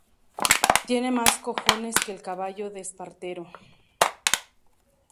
Tiene más cojones que el caballo de Espartero